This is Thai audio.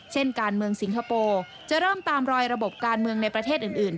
เช่นการเมืองสิงคโปร์จะเริ่มตามรอยระบบการเมืองในประเทศอื่น